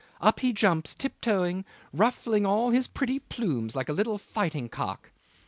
Up he jumps tiptoeing, ruffling all his pretty plumes, like a little fighting cock.